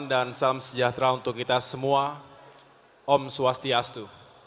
dan salam sejahtera untuk kita semua om swastiastu